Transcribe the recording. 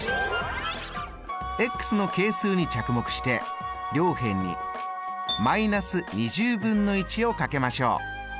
の係数に着目して両辺にーをかけましょう。